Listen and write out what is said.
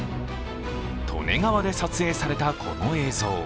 利根川で撮影されたこの映像。